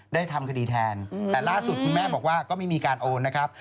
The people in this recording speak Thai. ได้ทำคดีแทนแต่ล่าสุดคุณแม่บอกว่าก็ไม่มีการโอนนะครับ